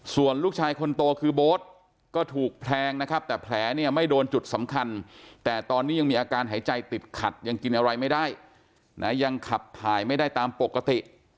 ส่วนลูกชายคนโตคือโบ๊ทก็ถูกแทงนะครับแต่แผลเนี่ยไม่โดนจุดสำคัญแต่ตอนนี้ยังมีอาการหายใจติดขัดยังกินอะไรไม่ได้นะยังขับถ่ายไม่ได้ตามปกติ